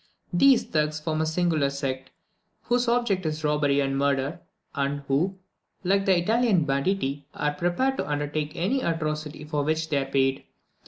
These Thugs form a singular sect, whose object is robbery and murder, and who, like the Italian banditti, are prepared to undertake any atrocity for which they are paid.